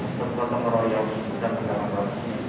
untuk mengembangkan dan mengembangkan